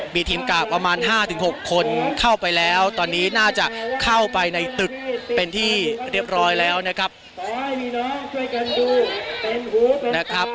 มีทีมกราบประมาณ๕๖คนเข้าไปแล้วตอนนี้น่าจะเข้าไปในตึกเป็นที่เรียบร้อยแล้วนะครับ